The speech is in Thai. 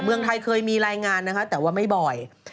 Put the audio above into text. เมืองไทยเคยมีรายงานนะคะแต่ว่าไม่บ่อย